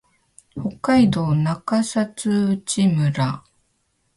北海道中札内村